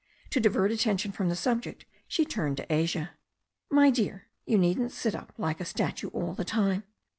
To divert attention from the subject she turned to Asia. "My dear, you needn't sit up like a statue all the time.